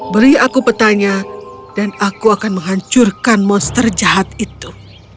beri aku petanya dan aku akan menghancurkan monster jahat itu